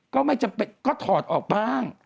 ก็ไม่จำเป็นก็ถอดออกบ้าง